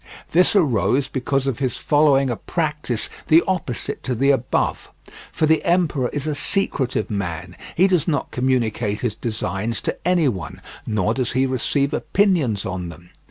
This arose because of his following a practice the opposite to the above; for the emperor is a secretive man—he does not communicate his designs to any one, nor does he receive opinions on them.